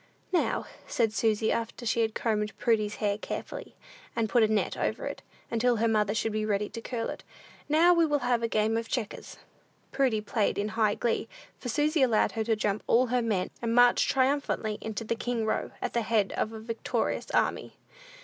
"Now," said Susy, after she had combed Prudy's hair carefully, and put a net over it, until her mother should be ready to curl it, "now we will have a game of checkers." Prudy played in high glee, for Susy allowed her to jump all her men, and march triumphantly into the king row, at the head of a victorious army.